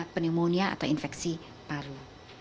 pneumonia atau infeksi paru